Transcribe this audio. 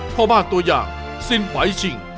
เพราะบ้านตัวอย่างสินไฟชิง